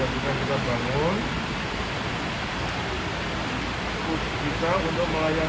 kalau ini strategi ngambil kepercintik sudah kita bangun